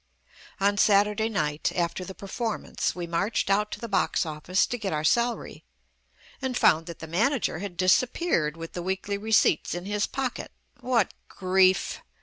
On Saturday night — after the performance — we marched out to the box office to get our salary, and found that the manager had disap peared with the weekly receipts in his pocket. What grief!